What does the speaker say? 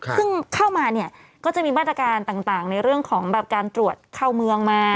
ซึ่งเข้ามาเนี่ยก็จะมีมาตรการต่างในเรื่องของแบบการตรวจเข้าเมืองมา